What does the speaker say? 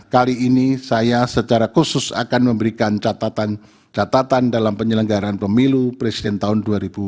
kali ini saya secara khusus akan memberikan catatan catatan dalam penyelenggaran pemilu presiden tahun dua ribu dua puluh